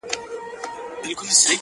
کورونا جدي وګڼئ!.!